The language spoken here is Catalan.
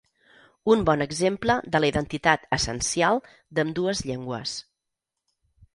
Un bon exemple de la identitat essencial d'ambdues llengües”.